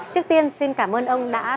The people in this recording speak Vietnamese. trước tiên xin cảm ơn ông đã tham dự trả lời